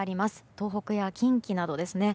東北や近畿などですね。